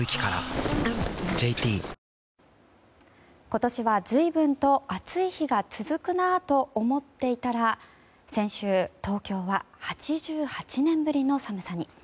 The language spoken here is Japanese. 今年は随分と暑い日が続くなと思っていたら、先週東京は８８年ぶりの寒さに。